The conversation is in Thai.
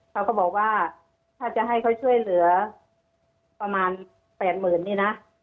เขาก็บอกว่าถ้าจะให้เขาช่วยเหลือประมาณ๘๐๐๐นี่นะ